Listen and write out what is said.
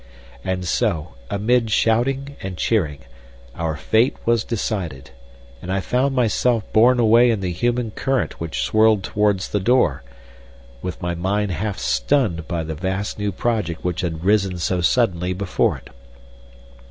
And so, amid shouting and cheering, our fate was decided, and I found myself borne away in the human current which swirled towards the door, with my mind half stunned by the vast new project which had risen so suddenly before it.